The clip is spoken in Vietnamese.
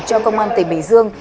cho công an tỉnh bình dương